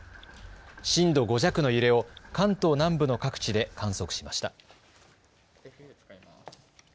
震度５弱の揺れを関東南部の各地で観測しました。